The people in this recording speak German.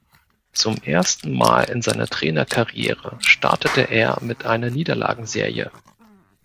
Zum ersten Mal in seiner Trainerkarriere startete er mit einer Niederlagenserie.